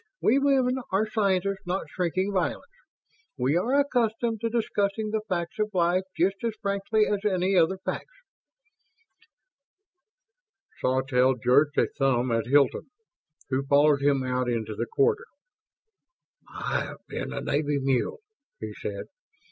"We women are scientists, not shrinking violets. We are accustomed to discussing the facts of life just as frankly as any other facts." Sawtelle jerked a thumb at Hilton, who followed him out into the corridor. "I have been a Navy mule," he said.